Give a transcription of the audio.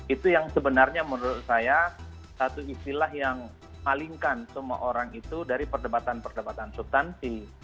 itu yang sebenarnya menurut saya satu istilah yang palingkan semua orang itu dari perdebatan perdebatan subtansi